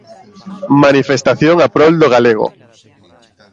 Manifestación a prol do galego.